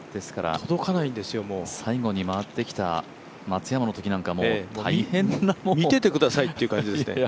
最後に回ってきた松山のときなんか、もう見ててくださいって感じですよね。